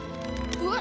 うわっ。